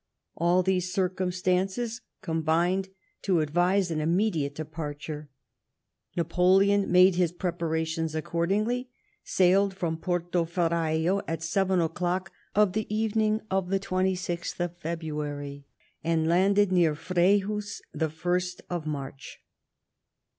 All these circumstances combining to advise an immediate de parture, Napoleon made his preparations accordingly ; sailed from Porto Ferrajo at seven o'clock of the evening of the 2Gth of February ; and landed near Frejus the 1st of March.